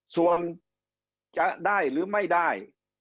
ส่วนจะได้หรือไม่ได้